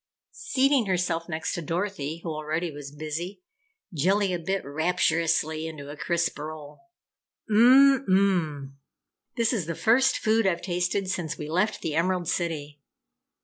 Seating herself next to Dorothy who already was busy, Jellia bit rapturously into a crisp roll. "Mmm mmm! This is the first food I've tasted since we left the Emerald City.